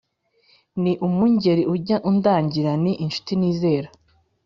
Ni umwungeri ujya andagira ni inshuti nizera